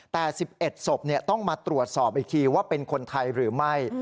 แต่๑๑ศพต้องมาตรวจสอบอีกทีว่าเป็นคนไทยหรือไม่